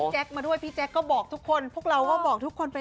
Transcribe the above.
ชัดเป็นแหง๘๗๓อ่ะ